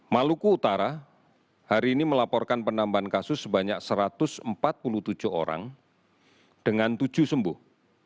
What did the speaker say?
maluku utara hari ini melaporkan penambahan kasus sebanyak satu ratus empat puluh tujuh orang dengan tujuh sembuh